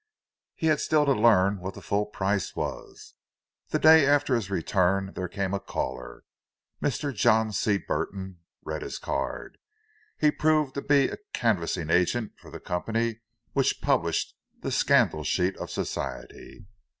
He had still to learn what the full price was. The day after his return there came a caller—Mr. John C. Burton, read his card. He proved to be a canvassing agent for the company which published the scandal sheet of Society.